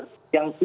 dan yang terakhir